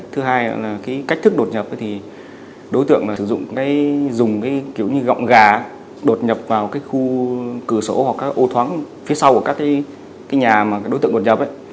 thứ hai là cách thức đột nhập thì đối tượng sử dụng gọng gà đột nhập vào khu cửa sổ hoặc ô thoáng phía sau của các nhà mà đối tượng đột nhập